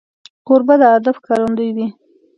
کوربه د ادب ښکارندوی وي.